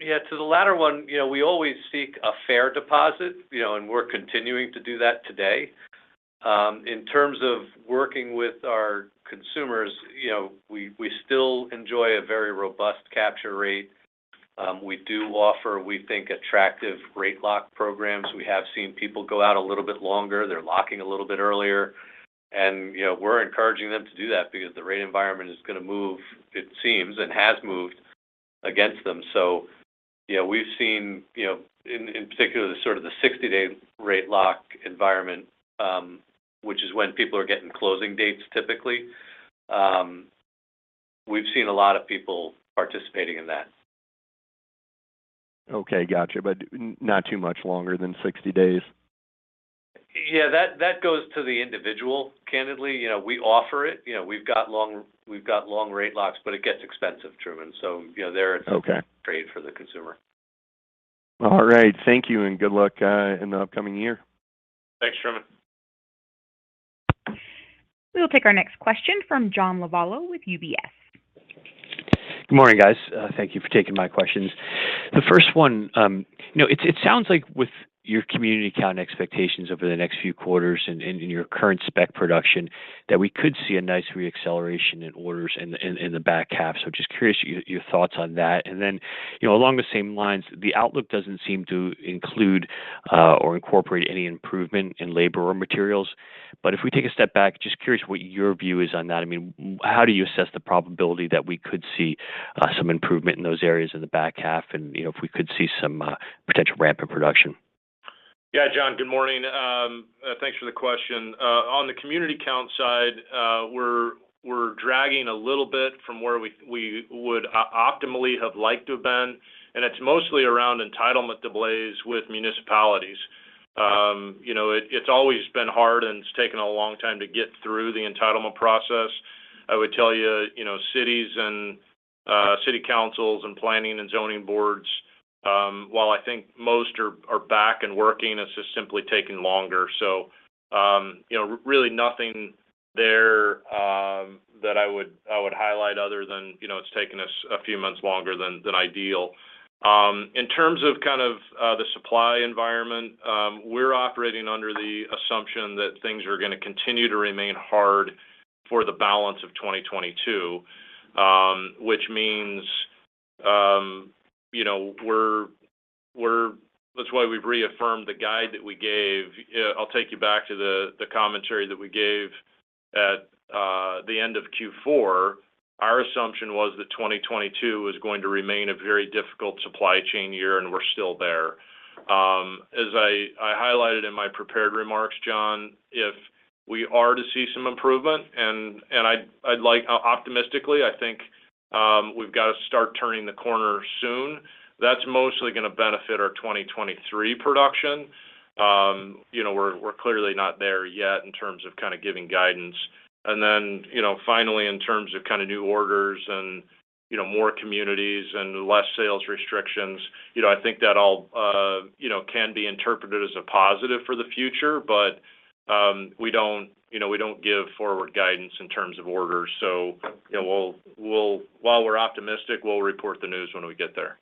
Yeah. To the latter one, you know, we always seek a fair deposit, you know, and we're continuing to do that today. In terms of working with our consumers, you know, we still enjoy a very robust capture rate. We do offer, we think, attractive rate lock programs. We have seen people go out a little bit longer. They're locking a little bit earlier. You know, we're encouraging them to do that because the rate environment is gonna move, it seems, and has moved against them. You know, we've seen, you know, in particular the 60-day rate lock environment, which is when people are getting closing dates typically. We've seen a lot of people participating in that. Okay. Gotcha. Not too much longer than 60 days? Yeah. That goes to the individual, candidly. You know, we offer it. You know, we've got long rate locks, but it gets expensive, Truman, so you know, there it's. Okay... trade for the consumer. All right. Thank you, and good luck in the upcoming year. Thanks, Truman. We'll take our next question from John Lovallo with UBS. Good morning, guys. Thank you for taking my questions. The first one, you know, it sounds like with your community count expectations over the next few quarters and your current spec production, that we could see a nice re-acceleration in orders in the back half. Just curious your thoughts on that. Then, you know, along the same lines, the outlook doesn't seem to include or incorporate any improvement in labor or materials. If we take a step back, just curious what your view is on that. I mean, how do you assess the probability that we could see some improvement in those areas in the back half and, you know, if we could see some potential ramp in production? Yeah. John, good morning. Thanks for the question. On the community count side, we're dragging a little bit from where we would optimally have liked to have been, and it's mostly around entitlement delays with municipalities. You know, it's always been hard, and it's taken a long time to get through the entitlement process. I would tell you know, cities and city councils and planning and zoning boards, while I think most are back and working, it's just simply taking longer. You know, really nothing there that I would highlight other than, you know, it's taken us a few months longer than ideal. In terms of kind of the supply environment, we're operating under the assumption that things are gonna continue to remain hard for the balance of 2022, which means, you know, that's why we've reaffirmed the guide that we gave. I'll take you back to the commentary that we gave at the end of Q4. Our assumption was that 2022 was going to remain a very difficult supply chain year, and we're still there. As I highlighted in my prepared remarks, John, if we are to see some improvement, and I'd like, optimistically, I think, we've got to start turning the corner soon. That's mostly gonna benefit our 2023 production. You know, we're clearly not there yet in terms of kind of giving guidance. you know, finally, in terms of kind of new orders and, you know, more communities and less sales restrictions, you know, I think that all, you know, can be interpreted as a positive for the future. We don't, you know, we don't give forward guidance in terms of orders. you know, we'll. While we're optimistic, we'll report the news when we get there.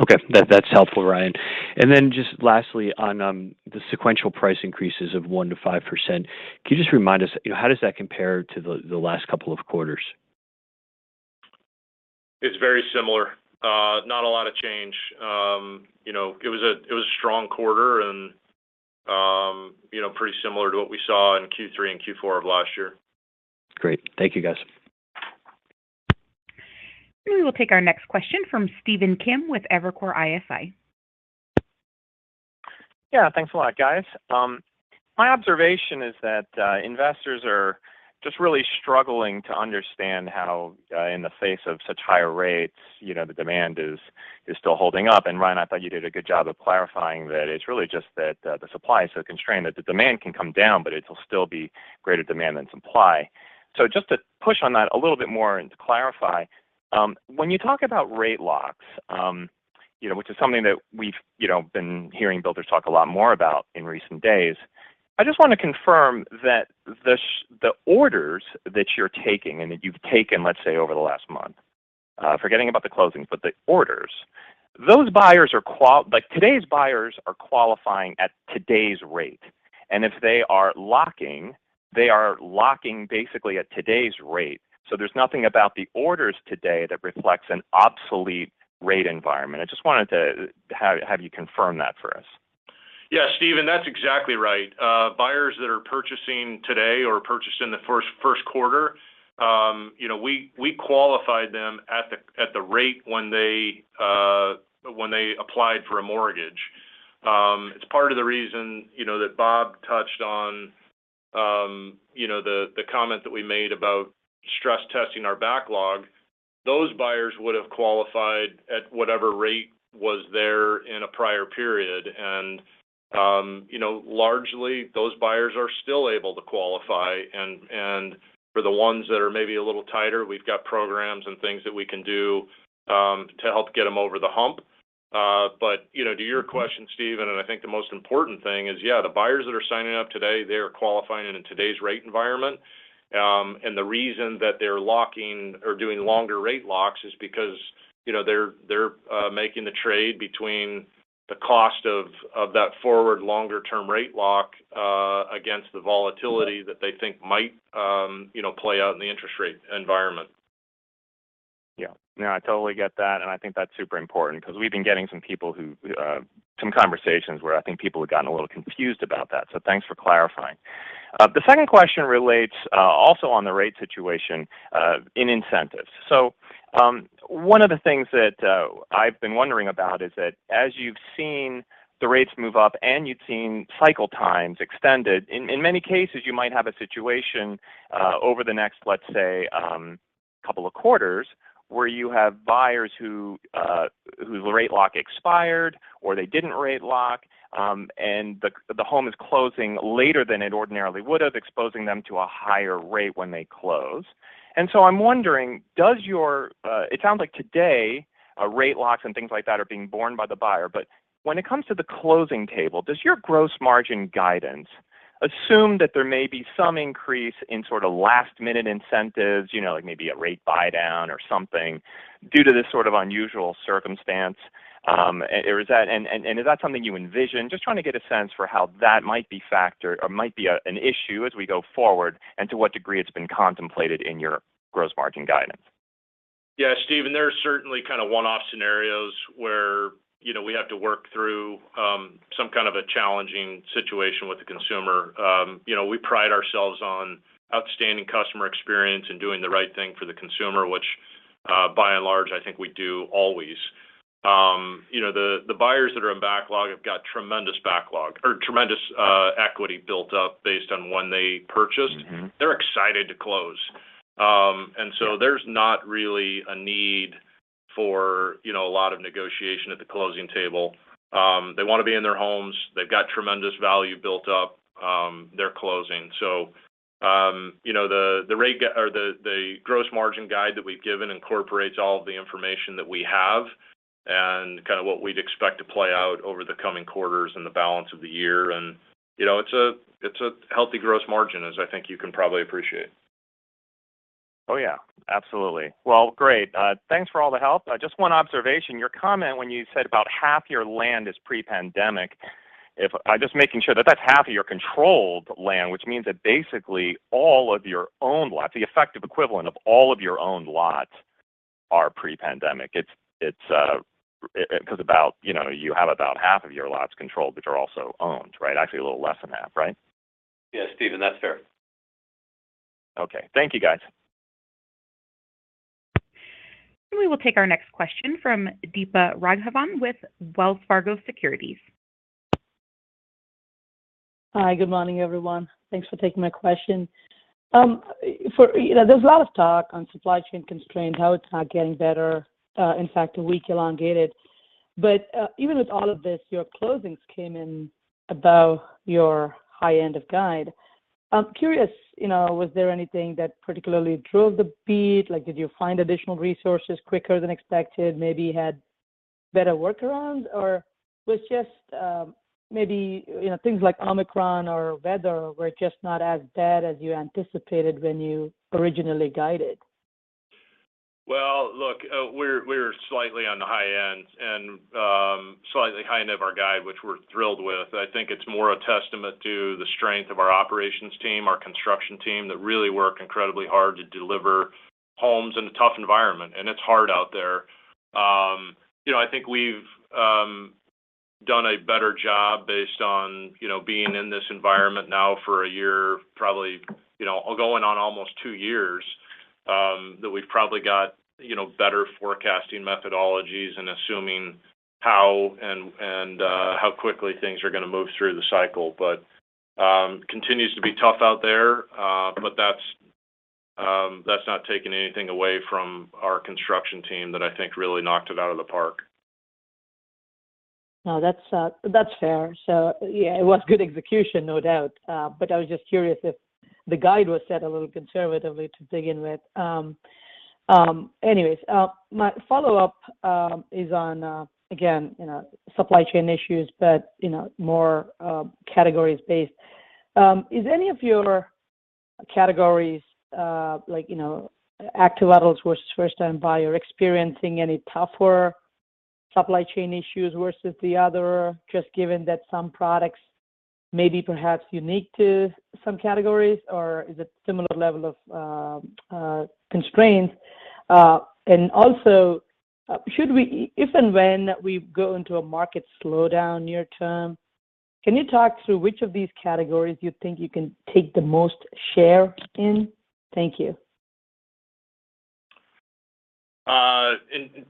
Okay. That, that's helpful, Ryan. Then just lastly on the sequential price increases of 1%-5%, can you just remind us, you know, how does that compare to the last couple of quarters? It's very similar. Not a lot of change. You know, it was a strong quarter and, you know, pretty similar to what we saw in Q3 and Q4 of last year. Great. Thank you, guys. We will take our next question from Stephen Kim with Evercore ISI. Yeah. Thanks a lot, guys. My observation is that investors are just really struggling to understand how, in the face of such higher rates, you know, the demand is still holding up. Ryan, I thought you did a good job of clarifying that it's really just that the supply is so constrained, that the demand can come down, but it'll still be greater demand than supply. Just to push on that a little bit more and to clarify, when you talk about rate locks, you know, which is something that we've, you know, been hearing builders talk a lot more about in recent days. I just wanna confirm that the orders that you're taking and that you've taken, let's say, over the last month, forgetting about the closings, but the orders, those buyers are qual... Like, today's buyers are qualifying at today's rate, and if they are locking, they are locking basically at today's rate. There's nothing about the orders today that reflects an obsolete rate environment. I just wanted to have you confirm that for us. Yeah, Stephen, that's exactly right. Buyers that are purchasing today or purchased in the first quarter, you know, we qualified them at the rate when they applied for a mortgage. It's part of the reason, you know, that Bob touched on, you know, the comment that we made about stress testing our backlog. Those buyers would've qualified at whatever rate was there in a prior period. You know, largely, those buyers are still able to qualify and for the ones that are maybe a little tighter, we've got programs and things that we can do to help get them over the hump. You know, to your question, Stephen, and I think the most important thing is, yeah, the buyers that are signing up today, they are qualifying in today's rate environment. The reason that they're locking or doing longer rate locks is because, you know, they're making the trade between the cost of that forward longer term rate lock against the volatility that they think might, you know, play out in the interest rate environment. Yeah. No, I totally get that, and I think that's super important 'cause we've been getting some people who, some conversations where I think people have gotten a little confused about that. Thanks for clarifying. The second question relates also on the rate situation in incentives. One of the things that I've been wondering about is that as you've seen the rates move up and you've seen cycle times extended, in many cases, you might have a situation over the next, let's say, couple of quarters, where you have buyers who, whose rate lock expired or they didn't rate lock, and the home is closing later than it ordinarily would've, exposing them to a higher rate when they close. I'm wondering, does your... It sounds like today, rate locks and things like that are being borne by the buyer. When it comes to the closing table, does your gross margin guidance assume that there may be some increase in sort of last minute incentives, you know, like maybe a rate buydown or something due to this sort of unusual circumstance? Or is that something you envision? Just trying to get a sense for how that might be factored or might be an issue as we go forward and to what degree it's been contemplated in your gross margin guidance. Yeah, Stephen, there are certainly kind of one-off scenarios where, you know, we have to work through some kind of a challenging situation with the consumer. You know, we pride ourselves on outstanding customer experience and doing the right thing for the consumer, which, by and large, I think we do always. You know, the buyers that are in backlog have got tremendous backlog or tremendous equity built up based on when they purchased. Mm-hmm. They're excited to close. There's not really a need for, you know, a lot of negotiation at the closing table. They wanna be in their homes. They've got tremendous value built up. They're closing. You know, the gross margin guide that we've given incorporates all of the information that we have and kind of what we'd expect to play out over the coming quarters and the balance of the year. You know, it's a healthy gross margin, as I think you can probably appreciate. Oh, yeah. Absolutely. Well, great. Thanks for all the help. Just one observation. Your comment when you said about half your land is pre-pandemic. I'm just making sure that that's half of your controlled land, which means that basically all of your own lots, the effective equivalent of all of your own lots are pre-pandemic. It's 'cause about, you know, you have about half of your lots controlled, but they're also owned, right? Actually a little less than half, right? Yeah, Stephen, that's fair. Okay. Thank you, guys. We will take our next question from Deepa Raghavan with Wells Fargo Securities. Hi, good morning, everyone. Thanks for taking my question. You know, there's a lot of talk on supply chain constraints, how it's not getting better, in fact, weakening. Even with all of this, your closings came in above your high end of guidance. I'm curious, you know, was there anything that particularly drove the beat? Like, did you find additional resources quicker than expected? Maybe had a better workaround or was just, maybe, you know, things like Omicron or weather were just not as bad as you anticipated when you originally guided? Well, look, we're slightly on the high end and slightly high end of our guide, which we're thrilled with. I think it's more a testament to the strength of our operations team, our construction team that really work incredibly hard to deliver homes in a tough environment and it's hard out there. You know, I think we've done a better job based on, you know, being in this environment now for a year probably, you know, or going on almost two years, that we've probably got, you know, better forecasting methodologies and assuming how and how quickly things are gonna move through the cycle. Continues to be tough out there. That's not taking anything away from our construction team that I think really knocked it out of the park. No, that's fair. Yeah, it was good execution no doubt. But I was just curious if the guide was set a little conservatively to begin with. Anyways, my follow-up is on, again, you know, supply chain issues, but you know, more categories based. Is any of your categories, like, you know, active adult versus first time buyer experiencing any tougher supply chain issues versus the other, just given that some products may be perhaps unique to some categories or is it similar level of constraints? And also, should we, if and when we go into a market slowdown near term, can you talk through which of these categories you think you can take the most share in? Thank you.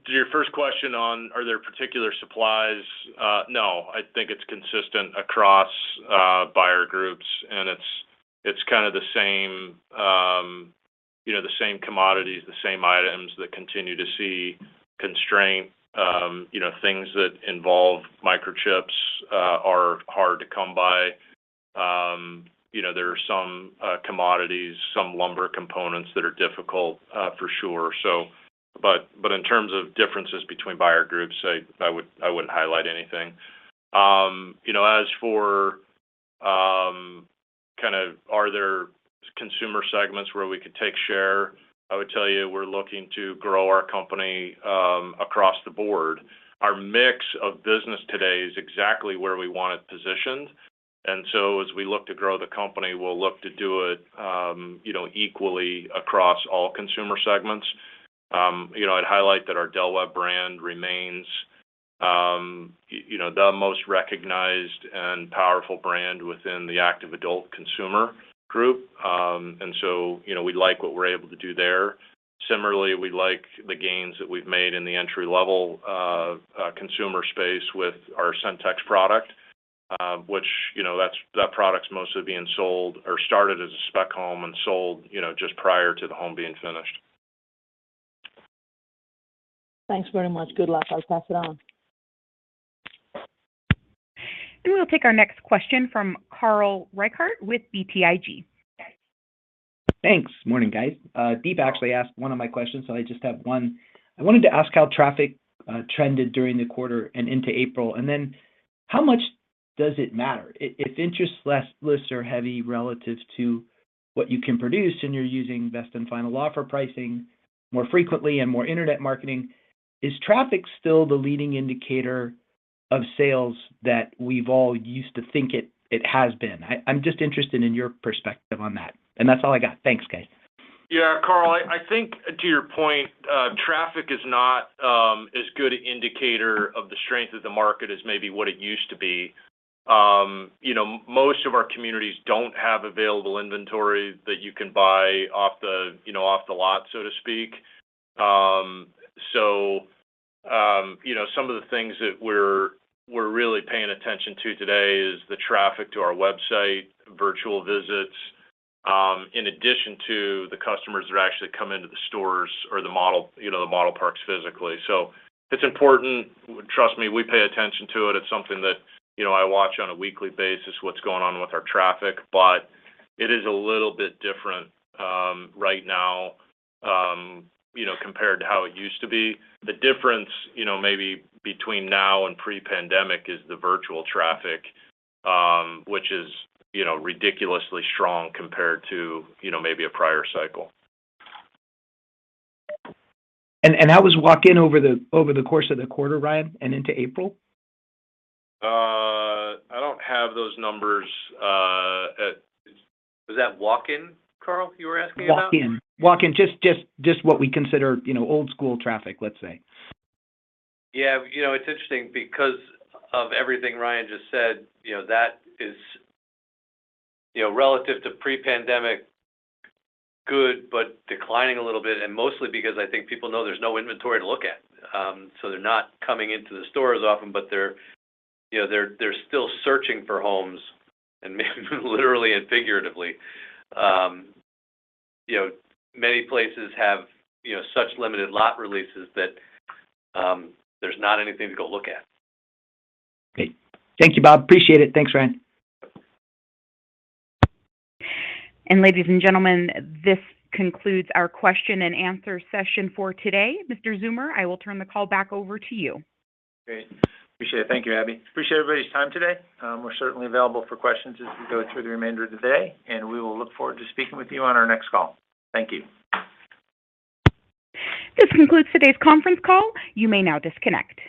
To your first question on, are there particular supplies? No, I think it's consistent across buyer groups and it's kind of the same, you know, the same commodities, the same items that continue to see constraint. You know, things that involve microchips are hard to come by. You know, there are some commodities, some lumber components that are difficult for sure. But in terms of differences between buyer groups, I wouldn't highlight anything. You know, as for kind of, are there consumer segments where we could take share, I would tell you we're looking to grow our company across the board. Our mix of business today is exactly where we want it positioned and so as we look to grow the company, we'll look to do it, you know, equally across all consumer segments. You know, I'd highlight that our Del Webb brand remains, you know, the most recognized and powerful brand within the active adult consumer group. You know, we like what we're able to do there. Similarly, we like the gains that we've made in the entry-level consumer space with our Centex product, which, you know, that product's mostly being sold or started as a spec home and sold, you know, just prior to the home being finished. Thanks very much. Good luck. I'll pass it on. We'll take our next question from Carl Reichardt with BTIG. Thanks. Morning guys. Deepa actually asked one of my questions, so I just have one. I wanted to ask how traffic trended during the quarter and into April, and then how much does it matter if interest lists are heavy relative to what you can produce and you're using best and final offer pricing more frequently and more internet marketing. Is traffic still the leading indicator of sales that we've all used to think it has been? I'm just interested in your perspective on that, and that's all I got. Thanks guys. Yeah, Carl, I think to your point, traffic is not as good an indicator of the strength of the market as maybe what it used to be. You know, most of our communities don't have available inventory that you can buy off the, you know, off the lot, so to speak. So, you know, some of the things that we're really paying attention to today is the traffic to our website, virtual visits, in addition to the customers that actually come into the stores or the model, you know, the model parks physically. So it's important. Trust me, we pay attention to it. It's something that, you know, I watch on a weekly basis what's going on with our traffic, but it is a little bit different, right now, you know, compared to how it used to be. The difference, you know, maybe between now and pre-pandemic is the virtual traffic, which is, you know, ridiculously strong compared to, you know, maybe a prior cycle. How was walk-in over the course of the quarter, Ryan, and into April? I don't have those numbers. Is that walk-in, Carl, you were asking about? Walk-in. Just what we consider, you know, old school traffic, let's say. Yeah, you know, it's interesting because of everything Ryan just said, you know, that is, you know, relative to pre-pandemic good, but declining a little bit and mostly because I think people know there's no inventory to look at. So they're not coming into the stores often, but they're, you know, they're still searching for homes and maybe literally and figuratively. You know, many places have, you know, such limited lot releases that, there's not anything to go look at. Great. Thank you Bob. Appreciate it. Thanks Ryan. Ladies and gentlemen, this concludes our question and answer session for today. Mr. Zeumer, I will turn the call back over to you. Great. Appreciate it. Thank you, Abby. Appreciate everybody's time today. We're certainly available for questions as we go through the remainder of the day, and we will look forward to speaking with you on our next call. Thank you. This concludes today's conference call. You may now disconnect.